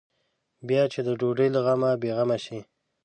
بیا چې د ډوډۍ له غمه بې غمه شي.